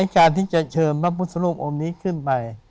ไอ้กาลที่จะเชิญพระพุทธศุริโยธัยนี้ขึ้นไป